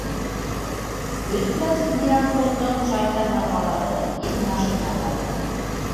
— Бөтмәҫ Ныязғолдоң шайтан арбалары, ен машиналары.